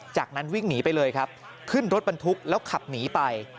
จากนั้นวิ่งหนีไปเลยครับขึ้นรถบรรทุกแล้วขับหนีไป